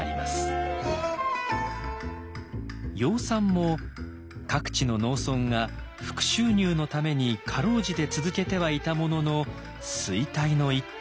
養蚕も各地の農村が副収入のために辛うじて続けてはいたものの衰退の一途。